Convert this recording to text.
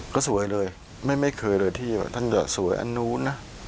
ก็สวยเลยไม่เคยเลยที่ว่าท่านจะสวยอันนู้นนะ